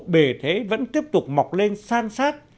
bề thế vẫn tiếp tục mọc lên san sát